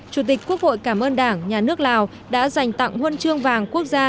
chủ tịch quốc hội cảm ơn đảng nhà nước lào đã dành tặng huân chương vàng quốc gia